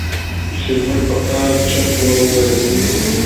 شېرګل په قهر چپ ور وويل.